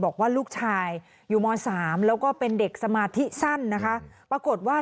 บอกว่าลูกชายอยู่ม๓แล้วก็เป็นเด็กสมาธิสั้นนะคะปรากฏว่า